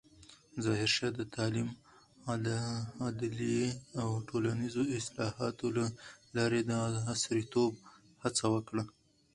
ظاهرشاه د تعلیم، عدلیې او ټولنیزو اصلاحاتو له لارې د عصریتوب هڅه وکړه.